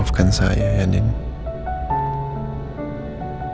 aku gak pernah selingkuh mas